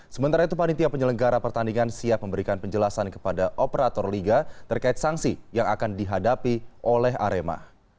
sementara itu panitia penyelenggara pertandingan siap memberikan penjelasan kepada operator liga terkait sanksi yang akan dihadapi oleh arema